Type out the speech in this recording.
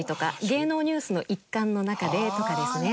芸能ニュースの一環の中でとかですね。